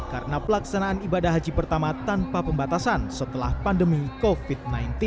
karena pelaksanaan ibadah haji pertama tanpa pembatasan setelah pandemi covid sembilan belas